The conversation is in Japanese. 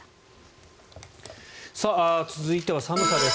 続いては寒さです。